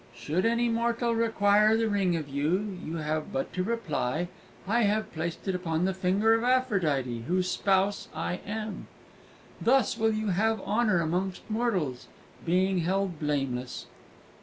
"Should any mortal require the ring of you, you have but to reply, 'I have placed it upon the finger of Aphrodite, whose spouse I am!' Thus will you have honour amongst mortals, being held blameless!"